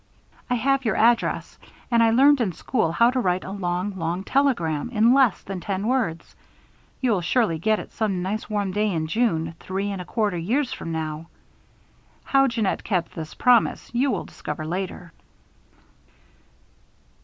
"I have your address and I learned in school how to write a long, long telegram in less than ten words. You'll surely get it some nice warm day in June, three and a quarter years from now." How Jeannette kept this promise, you will discover later.